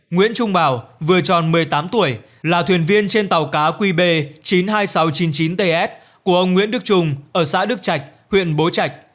nguyễn trung bảo vừa tròn một mươi tám tuổi là thuyền viên trên tàu cá qb chín mươi hai nghìn sáu trăm chín mươi chín ts của ông nguyễn đức trung ở xã đức trạch huyện bố trạch